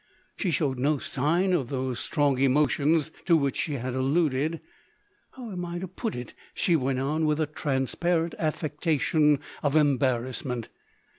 She showed no sign of those strong emotions to which she had alluded. "How am I to put it?" she went on, with a transparent affectation of embarrassment.